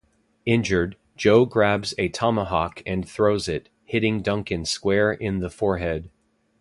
Injured, Joe grabs a tomahawk and throws it, hitting Duncan square in the forehead.